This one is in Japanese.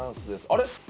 あれ？